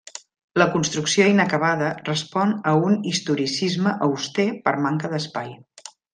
La construcció inacabada respon a un historicisme auster per manca d'espai.